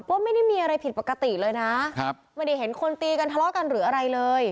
ว่าไม่ได้มีอะไรผิดปกติเลยนะครับไม่ได้เห็นคนตีกันทะเลาะกันหรืออะไรเลย